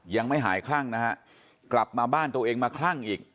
ยังไม่หายคลั่งนะฮะกลับมาบ้านตัวเองมาคลั่งอีก